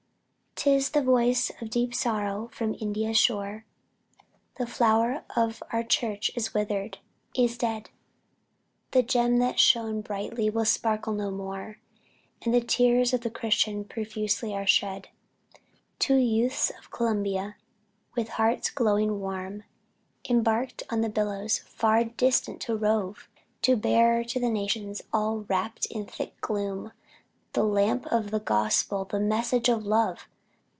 "'Tis the voice of deep sorrow from India's shore The flower of our churches is withered, is dead, The gem that shone brightly will sparkle no more, And the tears of the Christian profusely are shed Two youths of Columbia, with hearts glowing warm Embarked on the billows far distant to rove, To bear to the nations all wrapp'd in thick gloom, The lamp of the gospel the message of love.